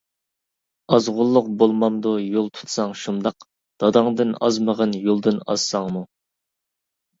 ئازغۇنلۇق بولمامدۇ يول تۇتساڭ شۇنداق، داداڭدىن ئازمىغىن يولدىن ئازساڭمۇ.